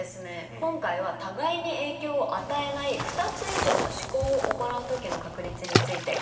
今回はたがいに影響を与えない２つ以上の試行を行う時の確率について考えてみましょう。